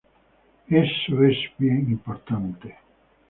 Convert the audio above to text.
Eso es bien importante.